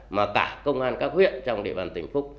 mà cả công an các huyện trong địa bàn tỉnh phúc